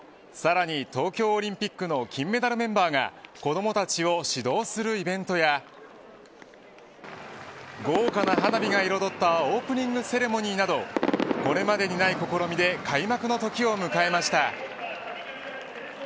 さらに東京オリンピックの金メダルメンバーが子どもたちを指導するイベントや豪華な花火が彩ったオープニングセレモニーなどこれまでにない試みで開幕のときを迎えました。